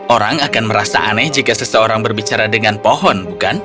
orang akan merasa aneh jika seseorang berbicara dengan pohon bukan